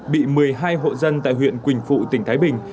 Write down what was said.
bị một mươi hai hộ dân tại huyện quỳnh phụ tỉnh thái bình